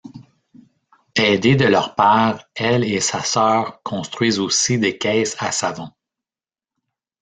Aidées de leur père, elle et sa sœur construisent aussi des caisses à savon.